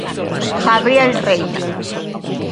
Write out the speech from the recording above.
Gabriel Reina.